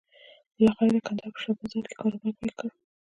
بالاخره یې د کندهار په شا بازار کې کاروبار پيل کړ.